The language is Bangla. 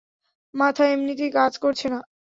মাথা এমনিতেও কাজ করছে না!